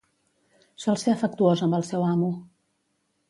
Sol ser afectuós amb el seu amo.